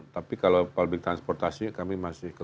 tapi kalau public transportasi kami masih